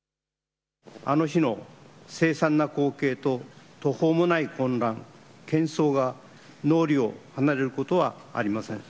あの日の凄惨な光景と途方のない混乱、けん騒が脳裏を離れることはありません。